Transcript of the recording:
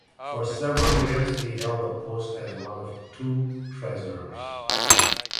For several years he held the post as one of two treasurers.